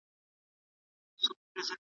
که وخت وي، ځواب ليکم!.!.